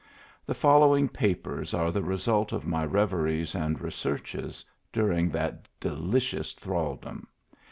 The following papers are the re sult of my reveries and researches, during that de licious thraldom.